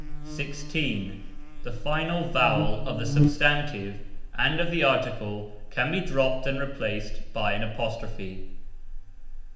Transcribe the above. (16) The FINAL VOWEL of the substantive and of the article can be dropped and replaced by an apostrophe.